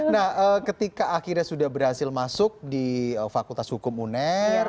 nah ketika akhirnya sudah berhasil masuk di fakultas hukum uner